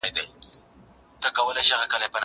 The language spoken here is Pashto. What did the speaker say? زه اوس ليکنې کوم!